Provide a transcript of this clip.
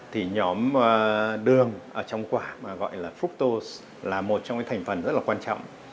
thì nhóm đường ở trong quả gọi là fructose là một trong những thành phần rất là quan trọng